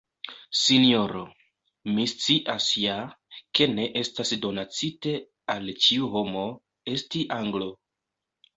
sinjoro, mi scias ja, ke ne estas donacite al ĉiu homo, esti Anglo.